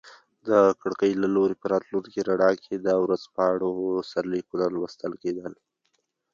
د کړکۍ له لوري په راتلونکي رڼا کې د ورځپاڼو سرلیکونه لوستل کیدل.